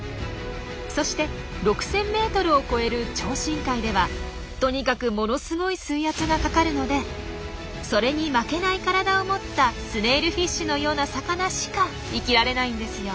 そして６，０００ｍを超える超深海ではとにかくものすごい水圧がかかるのでそれに負けない体を持ったスネイルフィッシュのような魚しか生きられないんですよ。